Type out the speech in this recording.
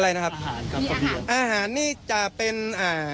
อะไรนะครับอาหารมีอาหารอาหารนี่จะเป็นอ่า